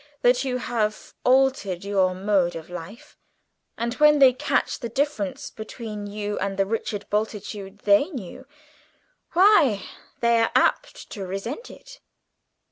that you have altered your mode of life, and when they catch the difference between you and the Richard Bultitude they knew, why, they are apt to resent it."